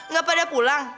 gak pada pulang